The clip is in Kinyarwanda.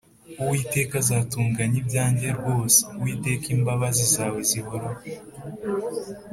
Uwiteka aztunganya ibyanjye rwose, uwiteka, imbabazi zawezihoraho